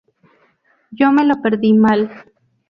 Yo me lo perdí mal.